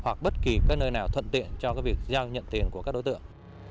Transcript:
hoặc bất kỳ các nơi nào thuận tiện cho việc giao nhận tiền của các đối tượng